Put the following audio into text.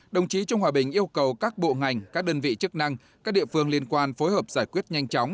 đồng chí trung hòa bình yêu cầu các bộ ngành các đơn vị chức năng các địa phương liên quan phối hợp giải quyết nhanh chóng